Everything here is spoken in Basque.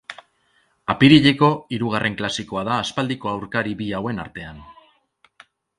Apirileko hirugarren klasikoa da aspaldiko aurkari bi hauen artean.